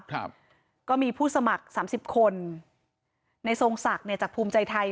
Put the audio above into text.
ครับก็มีผู้สมัครสามสิบคนในทรงศักดิ์เนี่ยจากภูมิใจไทย